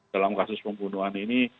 dalam kasus pembunuhan ini